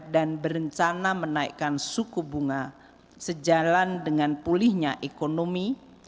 dan berencana menaikkan suku bunga sejalan dengan pulihnya ekonomi